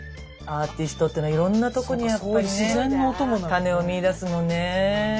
アーティストってのはいろんなとこにやっぱりね種を見いだすのね。